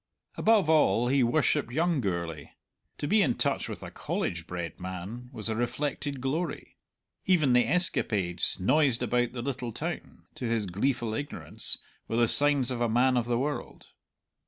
Above all he worshipped young Gourlay; to be in touch with a College bred man was a reflected glory; even the escapades noised about the little town, to his gleeful ignorance, were the signs of a man of the world.